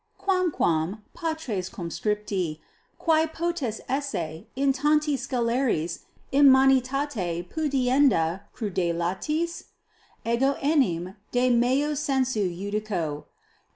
Quamquam, patres conscripti, quae potest esse in tanti sceleris immanitate punienda crudelitas? Ego enim de meo sensu iudico.